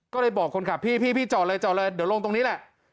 ก็เลยบอกคนขับพี่จอดเลยเดี๋ยวลงตรงนี้แหละ